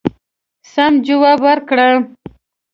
سم جواب ورکړ.